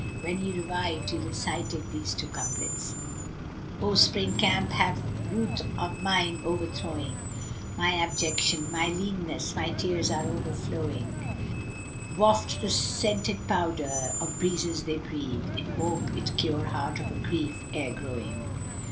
When he revived, he recited these two couplets, "O Spring camp have ruth on mine overthrowing * My abjection, my leanness, my tears aye flowing, Waft the scented powder[FN#357] of breezes they breathe * In hope it cure heart of a grief e'er growing."